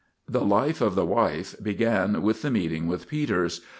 The life of the wife began with the meeting with Peters.